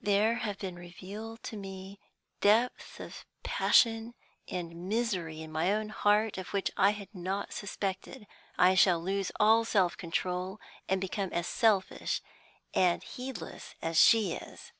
There have been revealed to me depths of passion and misery in my own heart which I had not suspected. I shall lose all self control, and become as selfish and heedless as she is."